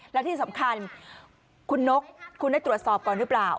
และที่สำคัญคุณนกคุณได้ตรวจสอบก่อนหรือเปล่า